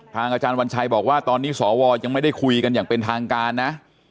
อาจารย์วัญชัยบอกว่าตอนนี้สวยังไม่ได้คุยกันอย่างเป็นทางการนะ